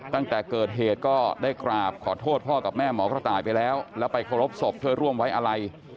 ตั้งแต่เกิดเหตุก็ได้กราบขอโทษพ่อกับแม่หมอกระต่ายไปแล้วแล้วไปเคารพศพเพื่อร่วมไว้อะไร